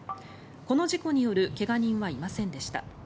この事故による怪我人はいませんでした。